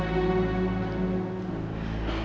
aku mau pergi